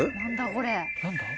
何だ？